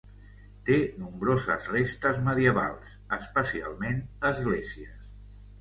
Té nombroses restes medievals, especialment esglésies.